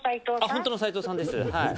本当の斎藤さんです。